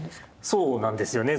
そうなんですよね。